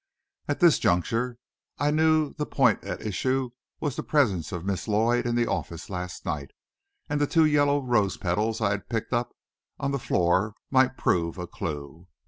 At this juncture, I knew the point at issue was the presence of Miss Lloyd in the office last night, and the two yellow rose petals I had picked up on the floor might prove a clue.